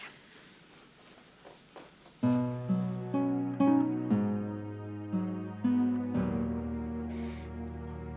tante aku mau pergi